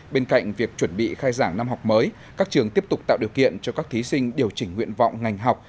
bên cạnh việc chuẩn bị khai giảng năm học mới các trường tiếp tục tạo điều kiện cho các thí sinh điều chỉnh nguyện vọng ngành học